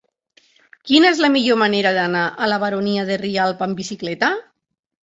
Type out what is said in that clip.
Quina és la millor manera d'anar a la Baronia de Rialb amb bicicleta?